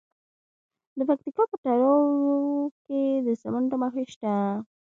د پکتیکا په تروو کې د سمنټو مواد شته.